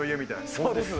そうですね。